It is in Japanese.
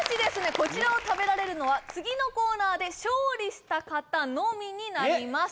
こちらを食べられるのは次のコーナーで勝利した方のみになります